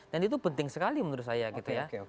dan itu penting sekali menurut saya gitu ya